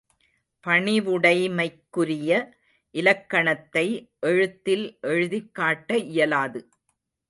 பணிவுடைமைக்குரிய இலக்கணத்தை எழுத்தில் எழுதிக்காட்ட இயலாது.